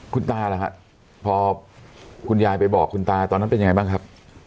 คุณตาหรือครับพอคุณยายไปบอกคุณตาตอนนั้นเป็นยังไงบ้างครับ